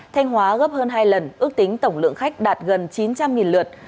thanh hóa gấp hơn hai lần ước tính tổng lượng khách đạt gần chín trăm linh lượt